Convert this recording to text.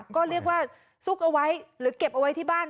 ก็เรียกว่าซุกเอาไว้หรือเก็บเอาไว้ที่บ้าน